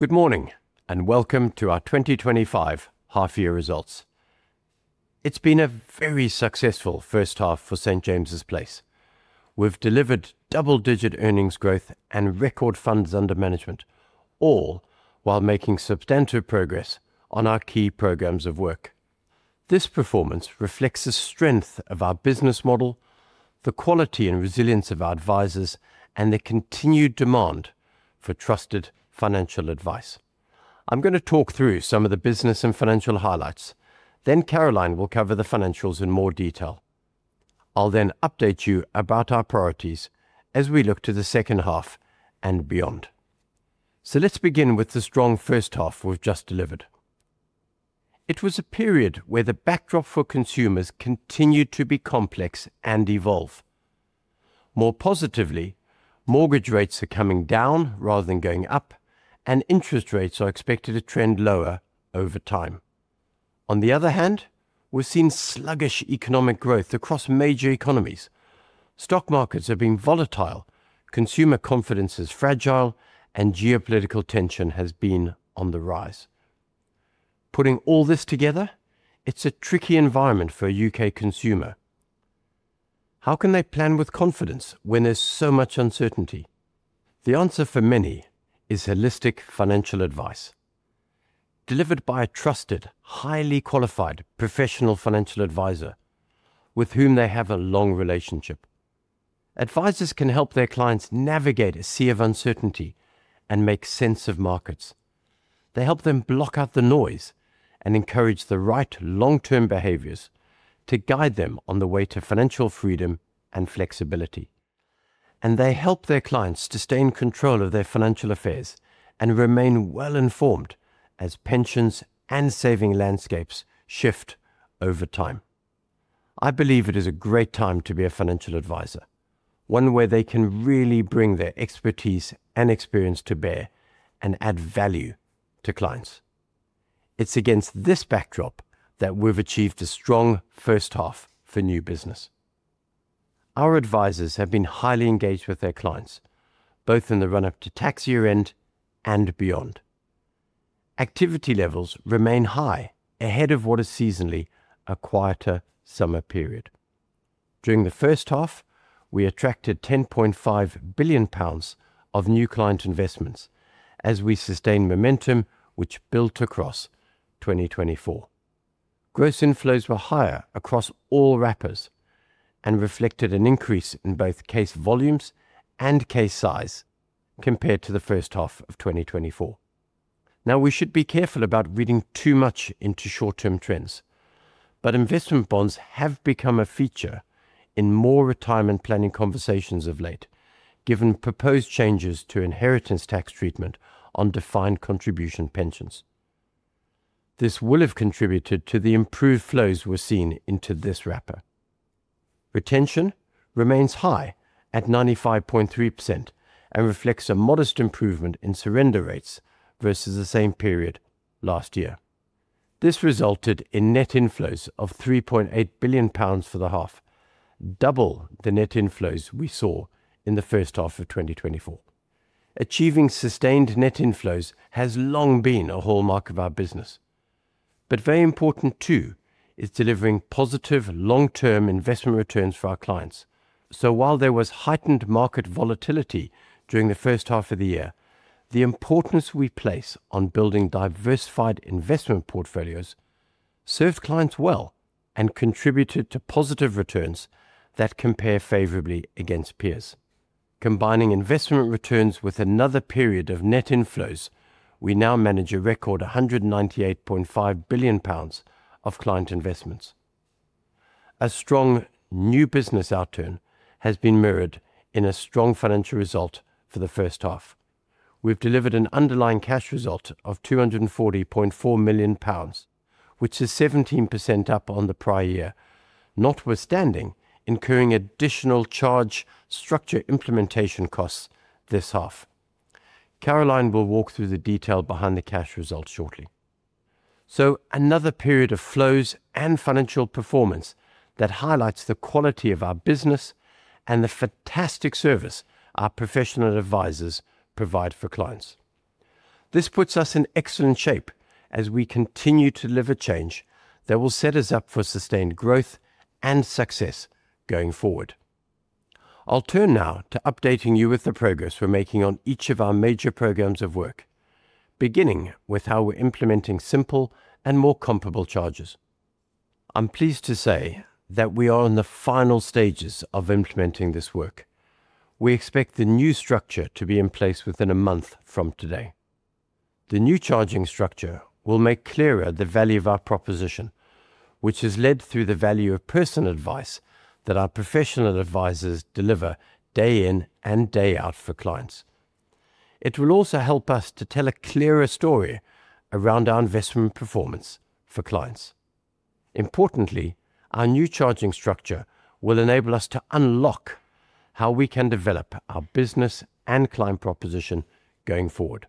Good morning and welcome to our 2025 half-year results. It's been a very successful first half for St. James's Place. We've delivered double-digit earnings growth and record funds under management, all while making substantial progress on our key programs of work. This performance reflects the strength of our business model, the quality and resilience of our Advisors, and the continued demand for trusted financial advice. I'm going to talk through some of the business and financial highlights, then Caroline will cover the financials in more detail. I'll then update you about our priorities as we look to the second half and beyond. Let's begin with the strong first half we've just delivered. It was a period where the backdrop for consumers continued to be complex and evolve. More positively, mortgage rates are coming down rather than going up, and interest rates are expected to trend lower over time. On the other hand, we've seen sluggish economic growth across major economies. Stock markets have been volatile, consumer confidence is fragile, and geopolitical tension has been on the rise. Putting all this together, it's a tricky environment for a U.K consumer. How can they plan with confidence when there's so much uncertainty? The answer for many is holistic financial advice, delivered by a trusted, highly qualified, professional financial Advisor with whom they have a long relationship. Advisors can help their clients navigate a sea of uncertainty and make sense of markets. They help them block out the noise and encourage the right long-term behaviors to guide them on the way to financial freedom and flexibility. They help their clients to stay in control of their financial affairs and remain well-informed as pensions and saving landscapes shift over time. I believe it is a great time to be a financial Advisor, one where they can really bring their expertise and experience to bear and add value to clients. It's against this backdrop that we've achieved a strong first half for new business. Our Advisors have been highly engaged with their clients, both in the run-up to tax year end and beyond. Activity levels remain high, ahead of what is seasonally a quieter summer period. During the first half, we attracted 10.5 billion pounds of new client investments as we sustained momentum, which built across 2024. Gross inflows were higher across all wrappers and reflected an increase in both case volumes and case size compared to the first half of 2024. Now, we should be careful about reading too much into short-term trends, but investment bonds have become a feature in more retirement planning conversations of late, given proposed changes to inheritance tax treatment on defined contribution pensions. This will have contributed to the improved flows we're seeing into this wrapper. Retention remains high at 95.3% and reflects a modest improvement in surrender rates versus the same period last year. This resulted in net inflows of 3.8 billion for the half, double the net inflows we saw in the first half of 2024. Achieving sustained net inflows has long been a hallmark of our business. Very important too is delivering positive long-term investment returns for our clients. While there was heightened market volatility during the first half of the year, the importance we place on building diversified investment portfolios served clients well and contributed to positive returns that compare favorably against peers. Combining investment returns with another period of net inflows, we now manage a record GBP 198.5 billion of client investments. A strong new business outturn has been mirrored in a strong financial result for the first half. We've delivered an underlying cash result of 240.4 million pounds, which is 17% up on the prior year, notwithstanding incurring additional charging structure implementation costs this half. Caroline will walk through the detail behind the cash results shortly. Another period of flows and financial performance highlights the quality of our business and the fantastic service our professional advisors provide for clients. This puts us in excellent shape as we continue to deliver change that will set us up for sustained growth and success going forward. I'll turn now to updating you with the progress we're making on each of our major programs of work, beginning with how we're implementing simple and more comparable charges. I'm pleased to say that we are in the final stages of implementing this work. We expect the new structure to be in place within a month from today. The new charging structure will make clearer the value of our proposition, which is led through the value of personal advice that our professional advisors deliver day in and day out for clients. It will also help us to tell a clearer story around our investment performance for clients. Importantly, our new charging structure will enable us to unlock how we can develop our business and client proposition going forward.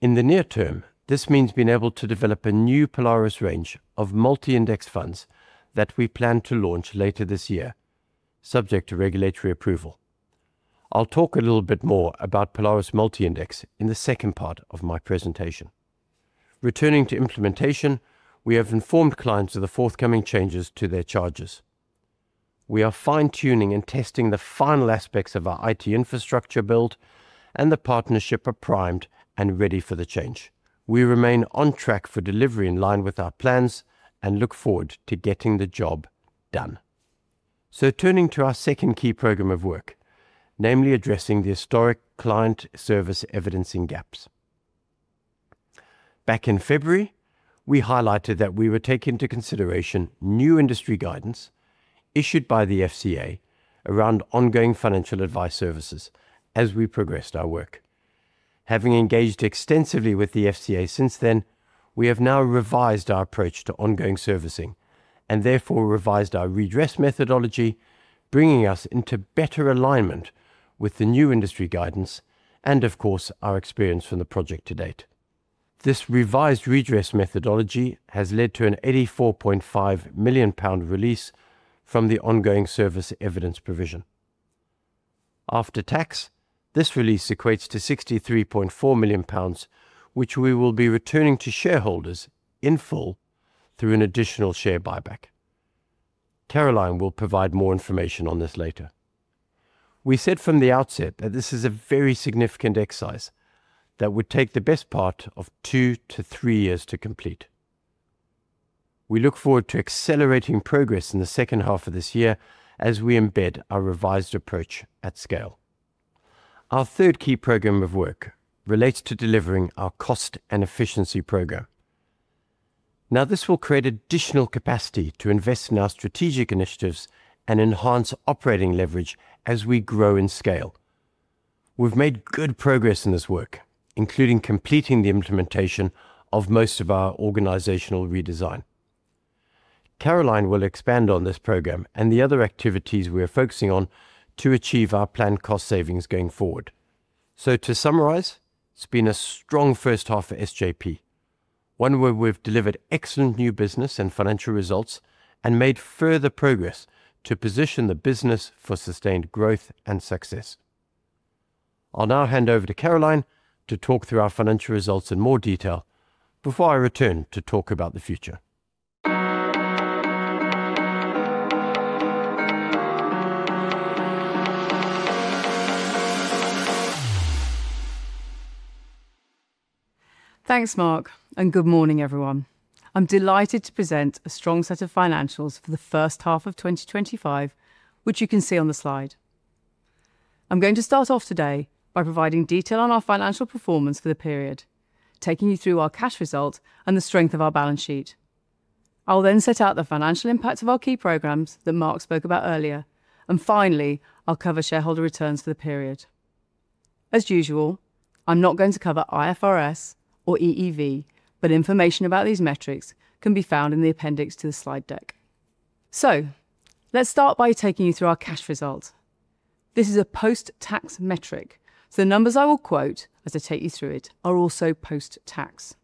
In the near term, this means being able to develop a new Polaris Multi-Index fund range that we plan to launch later this year, subject to regulatory approval. I'll talk a little bit more about Polaris Multi-Index in the second part of my presentation. Returning to implementation, we have informed clients of the forthcoming changes to their charges. We are fine-tuning and testing the final aspects of our IT infrastructure build, and the partnership are primed and ready for the change. We remain on track for delivery in line with our plans and look forward to getting the job done. Turning to our second key program of work, namely addressing the historic client service evidencing gaps. Back in February, we highlighted that we would take into consideration new industry guidance issued by the Financial Conduct Authority (FCA) around ongoing financial advice services as we progressed our work. Having engaged extensively with the FCA since then, we have now revised our approach to ongoing servicing and therefore revised our redress methodology, bringing us into better alignment with the new industry guidance and, of course, our experience from the project to date. This revised redress methodology has led to a 84.5 million pound release from the ongoing service evidence provision. After tax, this release equates to 63.4 million pounds, which we will be returning to shareholders in full through an additional share buyback. Caroline Waddington will provide more information on this later. We said from the outset that this is a very significant exercise that would take the best part of two to three years to complete. We look forward to accelerating progress in the second half of this year as we embed our revised approach at scale. Our third key program of work relates to delivering our cost and efficiency program. This will create additional capacity to invest in our strategic initiatives and enhance operating leverage as we grow in scale. We've made good progress in this work, including completing the implementation of most of our organizational redesign. Caroline will expand on this program and the other activities we are focusing on to achieve our planned cost savings going forward. To summarize, it's been a strong first half for SJP, one where we've delivered excellent new business and financial results and made further progress to position the business for sustained growth and success. I'll now hand over to Caroline to talk through our financial results in more detail before I return to talk about the future. Thanks, Mark, and good morning, everyone. I'm delighted to present a strong set of financials for the first half of 2025, which you can see on the slide. I'm going to start off today by providing detail on our financial performance for the period, taking you through our cash result and the strength of our balance sheet. I'll then set out the financial impacts of our key programs that Mark spoke about earlier, and finally, I'll cover shareholder returns for the period. As usual, I'm not going to cover IFRS or EEV, but information about these metrics can be found in the appendix to the slide deck. Let's start by taking you through our cash result. This is a post-tax metric, so the numbers I will quote as I take you through it are also post-tax.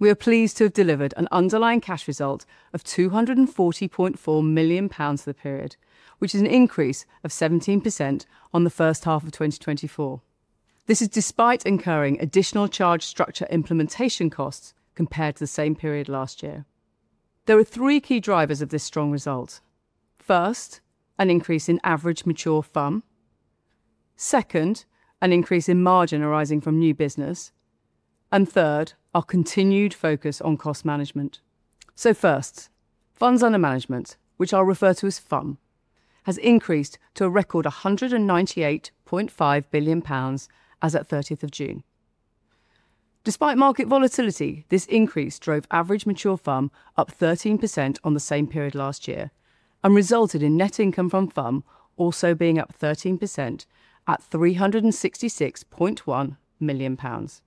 We are pleased to have delivered an underlying cash result of 240.4 million pounds for the period, which is an increase of 17% on the first half of 2024. This is despite incurring additional charging structure implementation costs compared to the same period last year. There are three key drivers of this strong result. First, an increase in average mature fund. Second, an increase in margin arising from new business. Third, our continued focus on cost management. First, funds under management, which I'll refer to as fund, has increased to a record 198.5 billion pounds as of 30th of June. Despite market volatility, this increase drove average mature fund up 13% on the same period last year and resulted in net income from fund also being up 13% at 366.1 million pounds.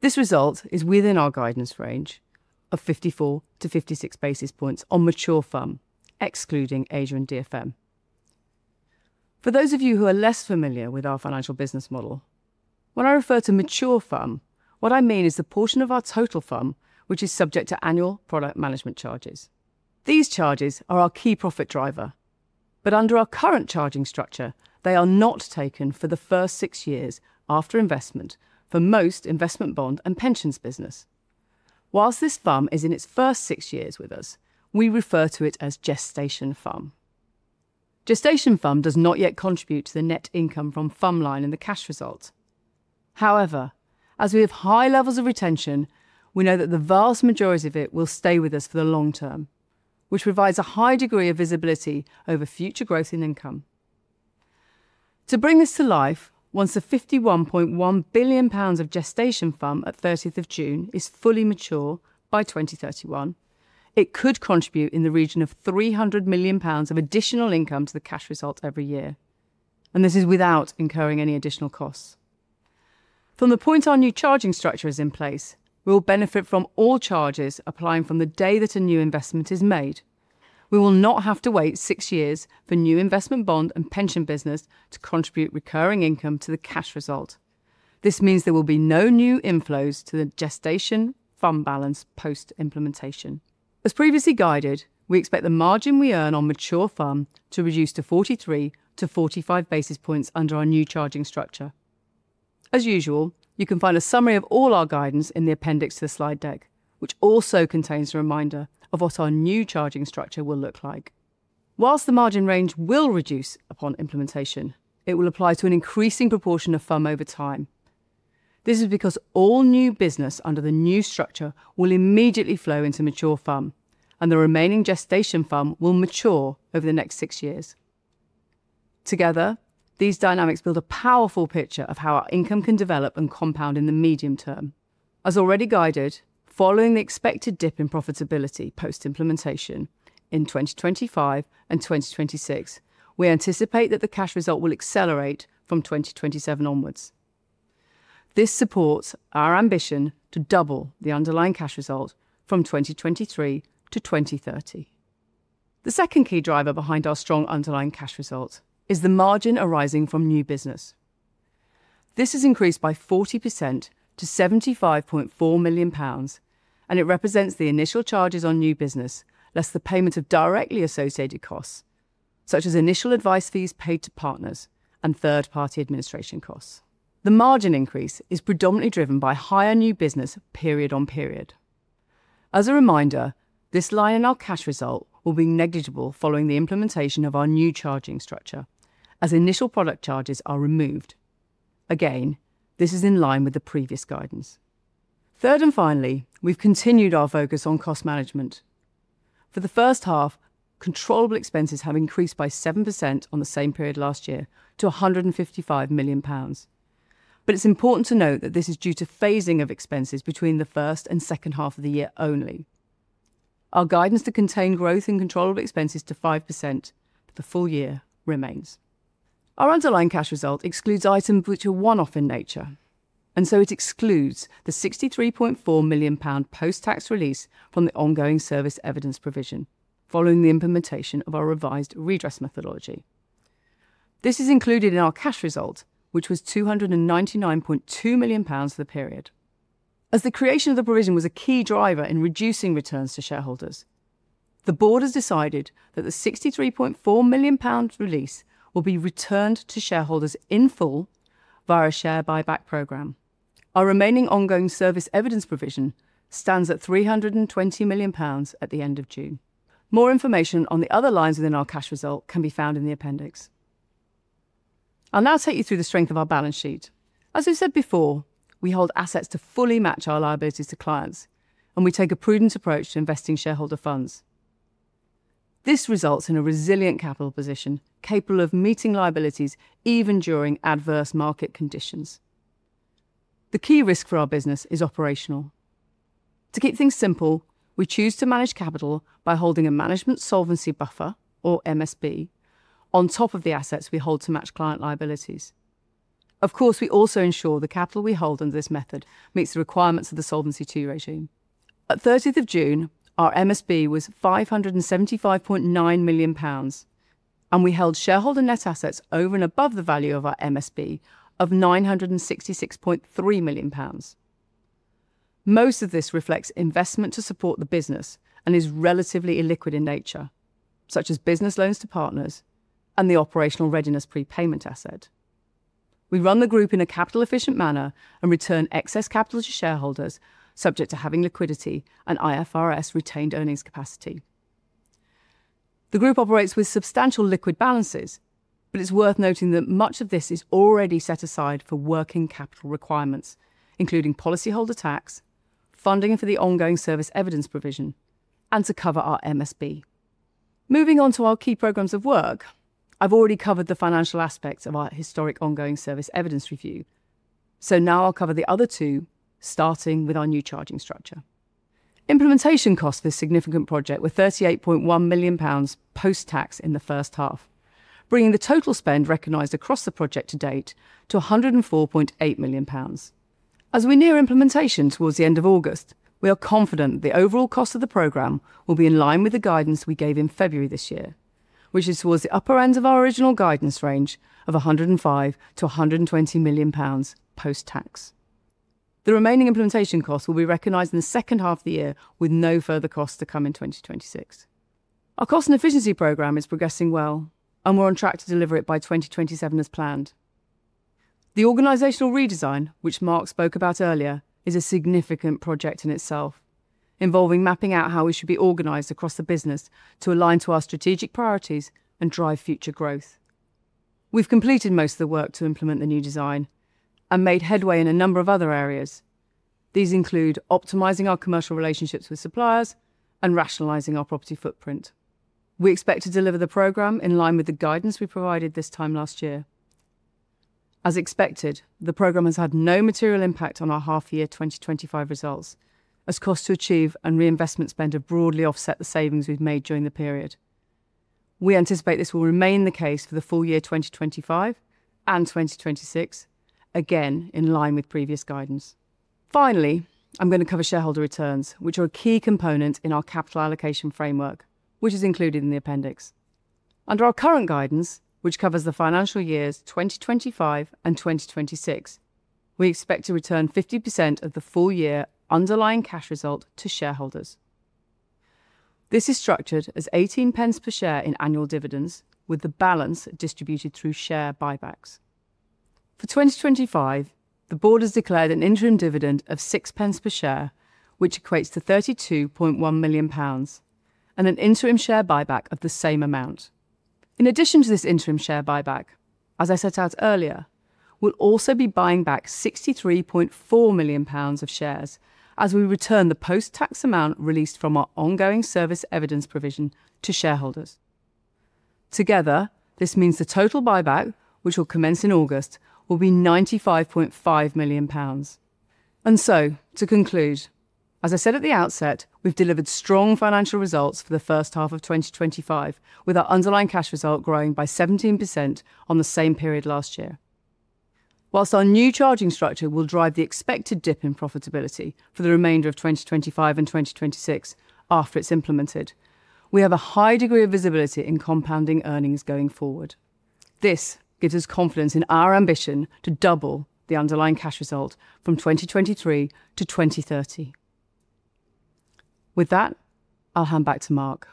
This result is within our guidance range of 54-56 basis points on mature fund, excluding age and DFM. For those of you who are less familiar with our financial business model, when I refer to mature fund, what I mean is the portion of our total fund which is subject to annual product management charges. These charges are our key profit driver, but under our current charging structure, they are not taken for the first six years after investment for most investment bond and pensions business. Whilst this fund is in its first six years with us, we refer to it as gestation fund. Gestation fund does not yet contribute to the net income from fund line in the cash result. However, as we have high levels of retention, we know that the vast majority of it will stay with us for the long term, which provides a high degree of visibility over future growth in income. To bring this to life, once a 51.1 billion pounds gestation fund at June 30 is fully mature by 2031, it could contribute in the region of 300 million pounds of additional income to the cash result every year, and this is without incurring any additional costs. From the point our new charging structure is in place, we will benefit from all charges applying from the day that a new investment is made. We will not have to wait six years for new investment bond and pension business to contribute recurring income to the cash result. This means there will be no new inflows to the gestation fund balance post-implementation. As previously guided, we expect the margin we earn on mature fund to reduce to 43-45 basis points under our new charging structure. As usual, you can find a summary of all our guidance in the appendix to the slide deck, which also contains a reminder of what our new charging structure will look like. Whilst the margin range will reduce upon implementation, it will apply to an increasing proportion of fund over time. This is because all new business under the new structure will immediately flow into mature fund, and the remaining gestation fund will mature over the next six years. Together, these dynamics build a powerful picture of how our income can develop and compound in the medium term. As already guided, following the expected dip in profitability post-implementation in 2025 and 2026, we anticipate that the cash result will accelerate from 2027 onwards. This supports our ambition to double the underlying cash result from 2023-2030. The second key driver behind our strong underlying cash result is the margin arising from new business. This has increased by 40% to 75.4 million pounds, and it represents the initial charges on new business, less the payment of directly associated costs, such as initial advice fees paid to partners and third-party administration costs. The margin increase is predominantly driven by higher new business period on period. As a reminder, this line in our cash result will be negligible following the implementation of our new charging structure, as initial product charges are removed. Again, this is in line with the previous guidance. Third and finally, we've continued our focus on cost management. For the first half, controllable expenses have increased by 7% on the same period last year to 155 million pounds, but it's important to note that this is due to phasing of expenses between the first and second half of the year only. Our guidance to contain growth in controllable expenses to 5% for the full year remains. Our underlying cash result excludes items which are one-off in nature, and so it excludes the 63.4 million pound post-tax release from the ongoing service evidence provision following the implementation of our revised redress methodology. This is included in our cash result, which was 299.2 million pounds for the period. As the creation of the provision was a key driver in reducing returns to shareholders, the board has decided that the 63.4 million pound release will be returned to shareholders in full via a share buyback program. Our remaining ongoing service evidence provision stands at 320 million at the end of June. More information on the other lines within our cash result can be found in the appendix. I'll now take you through the strength of our balance sheet. As we've said before, we hold assets to fully match our liabilities to clients, and we take a prudent approach to investing shareholder funds. This results in a resilient capital position capable of meeting liabilities even during adverse market conditions. The key risk for our business is operational. To keep things simple, we choose to manage capital by holding a management solvency buffer, or MSB, on top of the assets we hold to match client liabilities. Of course, we also ensure the capital we hold under this method meets the requirements of the Solvency II regime. At 30th of June, our MSB was 575.9 million pounds, and we held shareholder net assets over and above the value of our MSB of 966.3 million pounds. Most of this reflects investment to support the business and is relatively illiquid in nature, such as business loans to partners and the operational readiness prepayment asset. We run the group in a capital-efficient manner and return excess capital to shareholders subject to having liquidity and IFRS retained earnings capacity. The group operates with substantial liquid balances, but it's worth noting that much of this is already set aside for working capital requirements, including policyholder tax, funding for the ongoing service evidence provision, and to cover our MSB. Moving on to our key programs of work, I've already covered the financial aspects of our historic ongoing service evidence review, so now I'll cover the other two, starting with our new charging structure. Implementation costs for this significant project were 38.1 million pounds post-tax in the first half, bringing the total spend recognized across the project to date to 104.8 million pounds. As we near implementation towards the end of August, we are confident that the overall cost of the program will be in line with the guidance we gave in February this year, which is towards the upper end of our original guidance range of 105 million-120 million pounds post-tax. The remaining implementation costs will be recognized in the second half of the year with no further costs to come in 2026. Our cost and efficiency program is progressing well, and we're on track to deliver it by 2027 as planned. The organizational redesign, which Mark spoke about earlier, is a significant project in itself, involving mapping out how we should be organized across the business to align to our strategic priorities and drive future growth. We've completed most of the work to implement the new design and made headway in a number of other areas. These include optimizing our commercial relationships with suppliers and rationalizing our property footprint. We expect to deliver the program in line with the guidance we provided this time last year. As expected, the program has had no material impact on our half-year 2025 results, as cost to achieve and reinvestment spend have broadly offset the savings we've made during the period. We anticipate this will remain the case for the full year 2025 and 2026, again in line with previous guidance. Finally, I'm going to cover shareholder returns, which are a key component in our capital allocation framework, which is included in the appendix. Under our current guidance, which covers the financial years 2025 and 2026, we expect to return 50% of the full year underlying cash result to shareholders. This is structured as 18 pence per share in annual dividends, with the balance distributed through share buybacks. For 2025, the board has declared an interim dividend of 6 pence per share, which equates to 32.1 million pounds, and an interim share buyback of the same amount. In addition to this interim share buyback, as I set out earlier, we'll also be buying back GBP 63.4 million of shares as we return the post-tax amount released from our ongoing service evidence provision to shareholders. Together, this means the total buyback, which will commence in August, will be 95.5 million pounds. To conclude, as I said at the outset, we've delivered strong financial results for the first half of 2025, with our underlying cash result growing by 17% on the same period last year. Whilst our new charging structure will drive the expected dip in profitability for the remainder of 2025 and 2026 after it's implemented, we have a high degree of visibility in compounding earnings going forward. This gives us confidence in our ambition to double the underlying cash result from 2023-2030. With that, I'll hand back to Mark.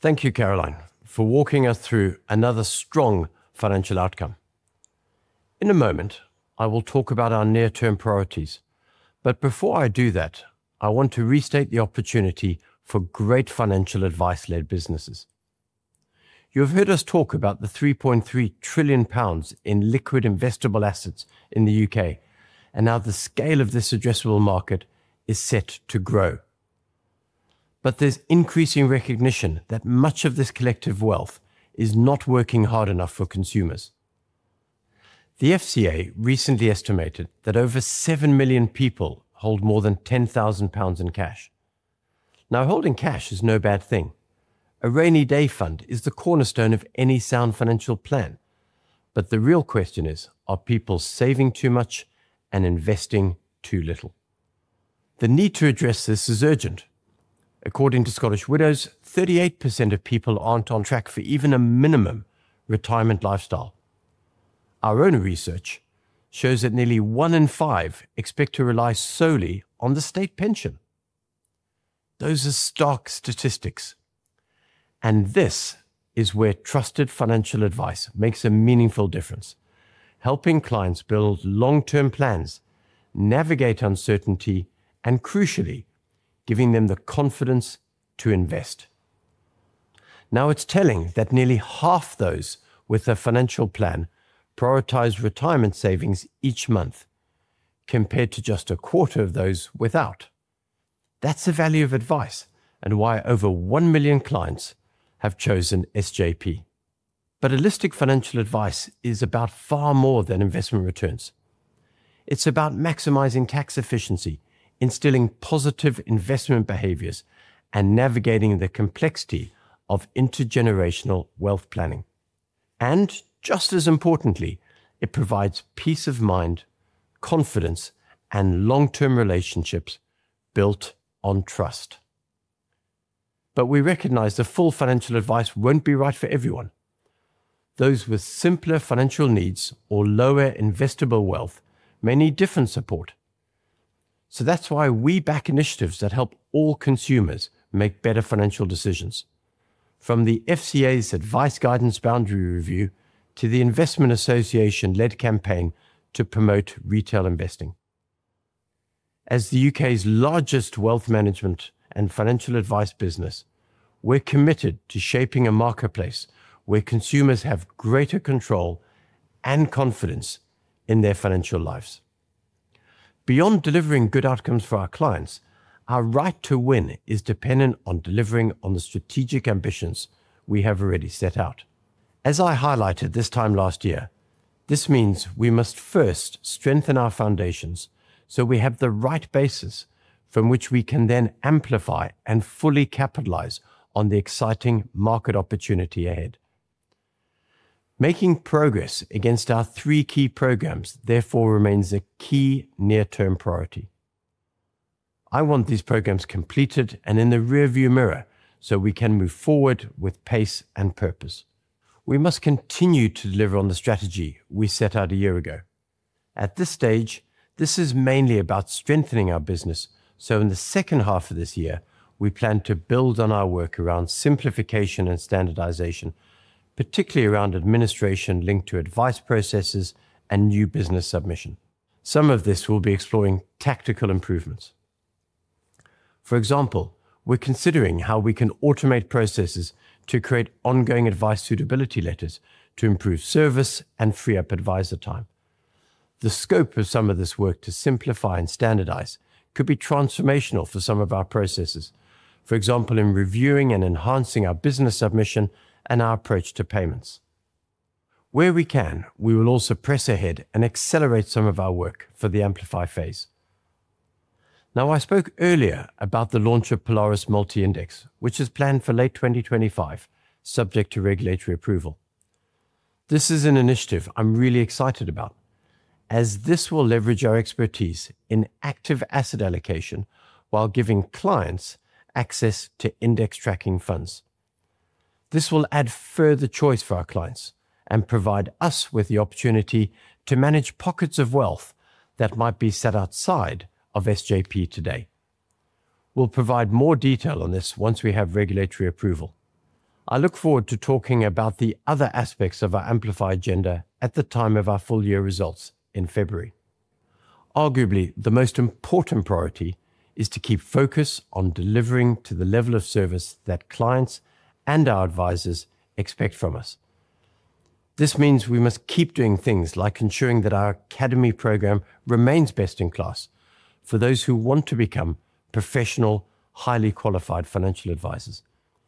Thank you, Caroline, for walking us through another strong financial outcome. In a moment, I will talk about our near-term priorities, but before I do that, I want to restate the opportunity for great financial advice-led businesses. You have heard us talk about the 3.3 trillion pounds in liquid investable assets in the U.K., and now the scale of this addressable market is set to grow. There is increasing recognition that much of this collective wealth is not working hard enough for consumers. The FCA recently estimated that over 7 million people hold more than 10,000 in cash. Now, holding cash is no bad thing. A rainy day fund is the cornerstone of any sound financial plan. The real question is, are people saving too much and investing too little? The need to address this is urgent. According to Scottish Widows, 38% of people aren't on track for even a minimum retirement lifestyle. Our own research shows that nearly 1/5 expect to rely solely on the state pension. Those are stark statistics. This is where trusted financial advice makes a meaningful difference, helping clients build long-term plans, navigate uncertainty, and, crucially, giving them the confidence to invest. It's telling that nearly half those with a financial plan prioritize retirement savings each month, compared to just a quarter of those without. That's the value of advice and why over 1 million clients have chosen SJP. Holistic financial advice is about far more than investment returns. It's about maximizing tax efficiency, instilling positive investment behaviors, and navigating the complexity of intergenerational wealth planning. Just as importantly, it provides peace of mind, confidence, and long-term relationships built on trust. We recognize that full financial advice won't be right for everyone. Those with simpler financial needs or lower investable wealth may need different support. That's why we back initiatives that help all consumers make better financial decisions, from the FCA's advice guidance boundary review to the Investment Association-led campaign to promote retail investing. As the U.K.'s largest wealth management and financial advice business, we're committed to shaping a marketplace where consumers have greater control and confidence in their financial lives. Beyond delivering good outcomes for our clients, our right to win is dependent on delivering on the strategic ambitions we have already set out. As I highlighted this time last year, this means we must first strengthen our foundations so we have the right basis from which we can then amplify and fully capitalize on the exciting market opportunity ahead. Making progress against our three key programs therefore remains a key near-term priority. I want these programs completed and in the rearview mirror so we can move forward with pace and purpose. We must continue to deliver on the strategy we set out a year ago. At this stage, this is mainly about strengthening our business, so in the second half of this year, we plan to build on our work around simplification and standardization, particularly around administration linked to advice processes and new business submission. Some of this we'll be exploring tactical improvements. For example, we're considering how we can automate processes to create ongoing advice suitability letters to improve service and free up advisor time. The scope of some of this work to simplify and standardize could be transformational for some of our processes, for example, in reviewing and enhancing our business submission and our approach to payments. Where we can, we will also press ahead and accelerate some of our work for the Amplify phase. I spoke earlier about the launch of Polaris Multi-Index, which is planned for late 2025, subject to regulatory approval. This is an initiative I'm really excited about, as this will leverage our expertise in active asset allocation while giving clients access to index tracking funds. This will add further choice for our clients and provide us with the opportunity to manage pockets of wealth that might be set outside of SJP today. We'll provide more detail on this once we have regulatory approval. I look forward to talking about the other aspects of our Amplify agenda at the time of our full-year results in February. Arguably, the most important priority is to keep focus on delivering to the level of service that clients and our advisors expect from us. This means we must keep doing things like ensuring that our academy program remains best in class for those who want to become professional, highly qualified financial advisors.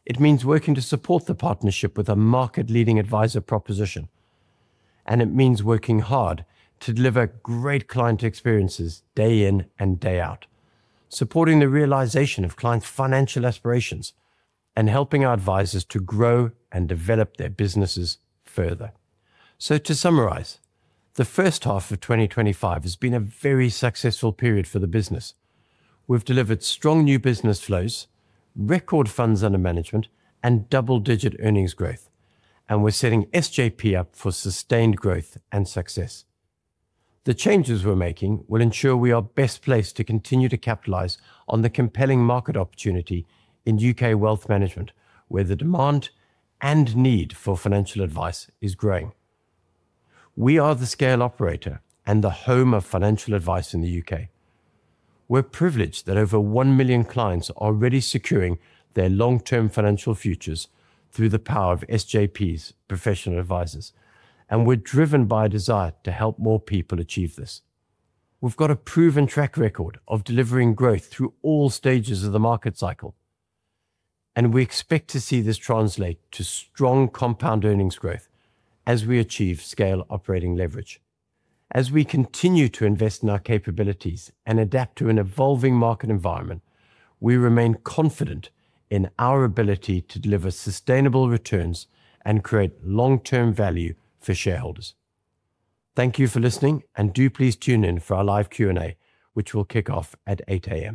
It means working to support the partnership with a market-leading advisor proposition, and it means working hard to deliver great client experiences day in and day out, supporting the realization of clients' financial aspirations, and helping our advisors to grow and develop their businesses further. To summarize, the first half of 2025 has been a very successful period for the business. We've delivered strong new business flows, record funds under management, and double-digit earnings growth, and we're setting SJP up for sustained growth and success. The changes we're making will ensure we are best placed to continue to capitalize on the compelling market opportunity in U.K. wealth management, where the demand and need for financial advice is growing. We are the scale operator and the home of financial advice in the U.K. We're privileged that over 1 million clients are already securing their long-term financial futures through the power of SJP's professional advisors, and we're driven by a desire to help more people achieve this. We've got a proven track record of delivering growth through all stages of the market cycle, and we expect to see this translate to strong compound earnings growth as we achieve scale operating leverage. As we continue to invest in our capabilities and adapt to an evolving market environment, we remain confident in our ability to deliver sustainable returns and create long-term value for shareholders. Thank you for listening, and do please tune in for our live Q&A, which will kick off at 8:00 A.M.